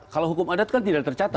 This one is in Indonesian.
kalau hukum adat kan tidak tercatat